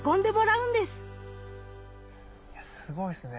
いやすごいっすね。